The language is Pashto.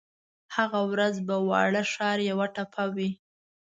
هغه ورځ به واړه ښار یوه ټپه وي